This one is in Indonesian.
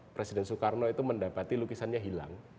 presiden soekarno itu mendapati lukisannya hilang